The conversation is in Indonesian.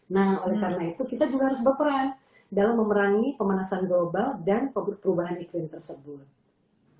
nah oleh karena itu kita juga harus berperan dalam memerangi pemanasan global dan perubahan iklim tersebut